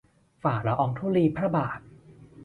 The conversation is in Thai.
ฝ่าละอองธุลีพระบาท